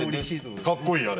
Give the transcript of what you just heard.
かっこいいあれ。